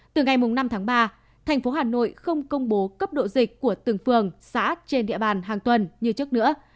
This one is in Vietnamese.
từ ngày năm tháng ba thành phố hà nội không công bố cấp độ dịch của từng phường xã trên địa bàn hàng tuần như trước nữa